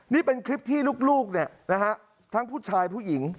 นี่เป็นคลิปที่ลูกทั้งผู้ชายผู้หญิง